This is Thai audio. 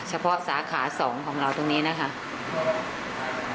เฉพาะสาขา๒ของเราตรงนี้นะคะ